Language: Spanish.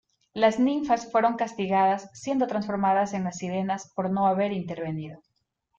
Las ninfas fueron castigadas siendo transformadas en las Sirenas por no haber intervenido.